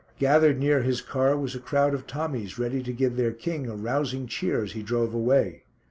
Gathered near his car was a crowd of Tommies, ready to give their King a rousing cheer as he drove away.